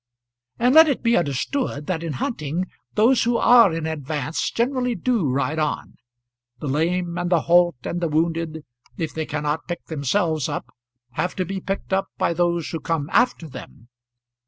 And let it be understood that in hunting those who are in advance generally do ride on. The lame and the halt and the wounded, if they cannot pick themselves up, have to be picked up by those who come after them.